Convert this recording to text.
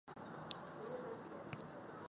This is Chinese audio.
加朗特。